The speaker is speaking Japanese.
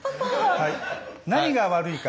何が悪いか。